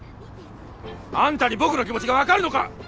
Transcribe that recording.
あんたに僕の気持ちがわかるのか！